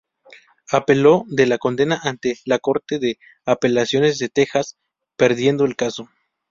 Apeló de la condena ante la Corte de Apelaciones de Texas, perdiendo el caso.